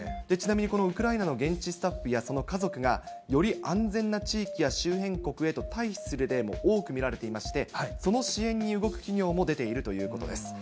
ちなみにこのウクライナの現地スタッフやその家族がより安全な地域や周辺国へと退避する例も多く見られていまして、その支援に動く企業も出ているということです。